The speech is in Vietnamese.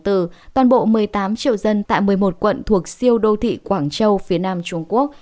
toàn bộ một mươi tám triệu dân tại một mươi một quận thuộc siêu đô thị quảng châu phía nam trung quốc